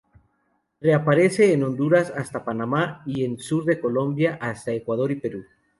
Reaparece en Honduras hasta Panamá, y en sur de Colombia hasta Ecuador y Perú.